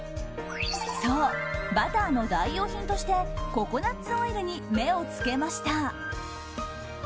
そう、バターの代用品としてココナッツオイルに目を付けました。